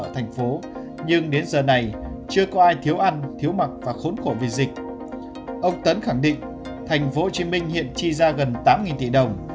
thành phố hồ chí minh hiện chi ra gần tám tỷ đồng